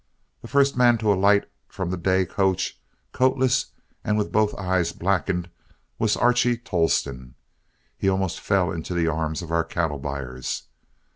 The first man to alight from the day coach, coatless and with both eyes blackened, was Archie Tolleston; he almost fell into the arms of our cattle buyers.